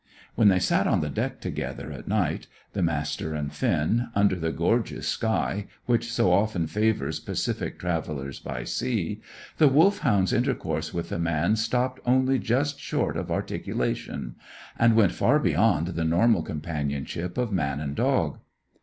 When they sat on the deck together at night, the Master and Finn, under the gorgeous sky which so often favours Pacific travellers by sea, the Wolfhound's intercourse with the man stopped only just short of articulation, and went far beyond the normal companionship of man and dog.